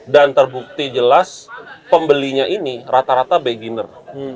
terbukti jelas pembelinya ini rata rata beginner